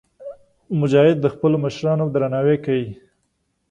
مجاهد د خپلو مشرانو درناوی کوي.